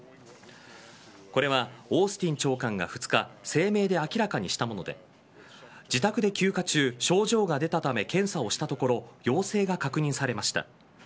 これはオースティン長官が２日声明で明らかにしたもので自宅で休暇中、症状が出たため検査をしたところ陽性が確認されました。